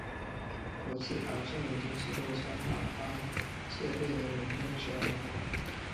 国际癌症研究机构将萘氮芥列为人类致癌物。